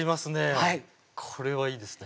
はいこれはいいですね